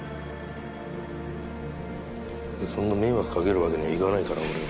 そんな迷惑かけるわけにはいかないから俺は。